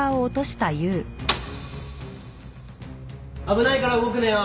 危ないから動くなよ。